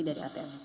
dari atm itu